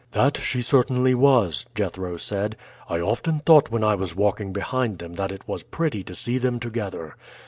"That she certainly was," Jethro said. "I often thought when I was walking behind them that it was pretty to see them together.